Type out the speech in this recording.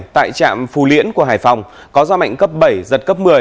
tại trạm phù liễn của hải phòng có gió mạnh cấp bảy giật cấp một mươi